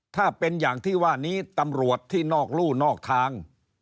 ถ้าเป็นอย่างที่ว่านี้ตำรวจที่นอกรู่นอกทาง